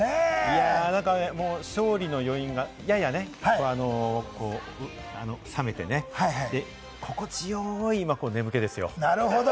勝利の余韻がね、冷めてね、心地よい眠気ですよ。